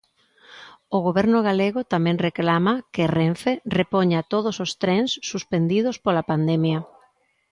O goberno galego tamén reclama que Renfe repoña todos os trens suspendidos pola pandemia.